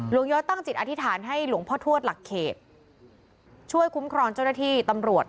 ย้อยตั้งจิตอธิษฐานให้หลวงพ่อทวดหลักเขตช่วยคุ้มครองเจ้าหน้าที่ตำรวจ